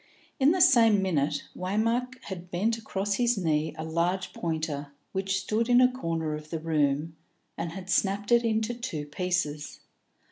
In the same minute, Waymark had bent across his knee a large pointer which stood in a corner of the room, and had snapped it into two pieces.